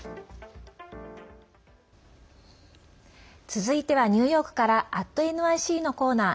続いては、ニューヨークから「＠ｎｙｃ」のコーナー。